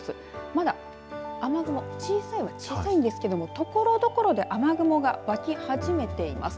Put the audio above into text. まだ、雨雲小さいは小さいんですけれどもところどころで雨雲が、わき始めています。